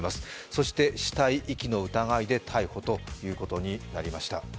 そして死体遺棄の疑いで逮捕ということになりました。